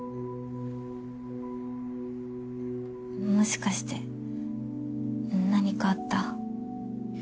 もしかして何かあった？